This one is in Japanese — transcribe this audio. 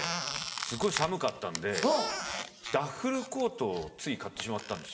すごい寒かったんでダッフルコートをつい買ってしまったんです。